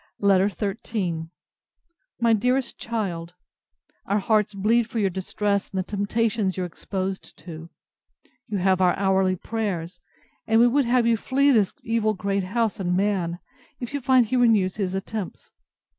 LETTER XIII My DEAREST CHILD, Our hearts bleed for your distress, and the temptations you are exposed to. You have our hourly prayers; and we would have you flee this evil great house and man, if you find he renews his attempts.